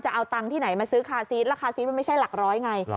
จะเอาตังค์ที่ไหนมาซื้อคาซีสราคาซีสมันไม่ใช่หลักร้อยไง